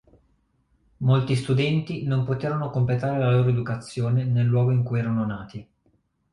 Molti studenti non poterono completare la loro educazione nel luogo in cui erano nati.